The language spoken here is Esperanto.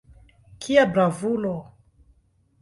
Kia bravulo!